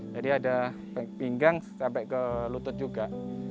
jadi ada pinggang sampai ke lutut juga